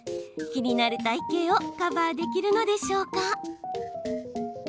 気になる体形をカバーできるのでしょうか。